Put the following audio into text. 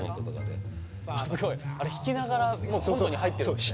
すごい。あれ弾きながらコントに入ってるんだね。